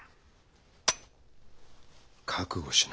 覚悟しな。